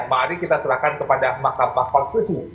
mari kita serahkan kepada mahkamah konstitusi